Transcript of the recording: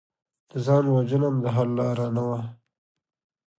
د ځان وژنه هم د حل لاره نه وه